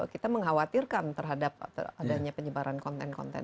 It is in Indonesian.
kita mengkhawatirkan terhadap adanya penyebaran konten konten